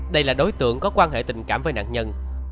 đây là đối tượng có quan hệ tình cảm với nạn nhân